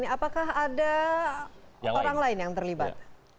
apakah ada orang lain yang terlibat